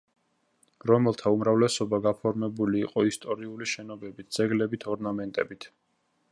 რომელთა უმრავლესობა გაფორმებული იყო ისტორიული, შენობებით, ძეგლებით, ორნამენტებით.